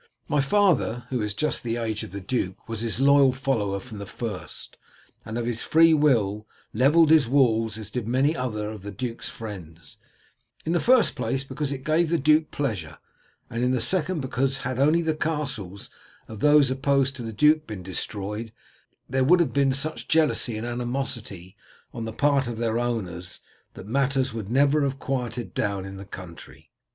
My father, who is just the age of the duke, was his loyal follower from the first, and of his free will levelled his walls as did many others of the duke's friends, in the first place because it gave the duke pleasure, and in the second because, had only the castles of those opposed to the duke been destroyed, there would have been such jealousy and animosity on the part of their owners that matters would never have quieted down in the country.